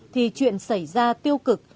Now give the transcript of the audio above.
thì chuyện xảy ra tiêu cực